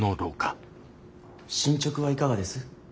進捗はいかがです？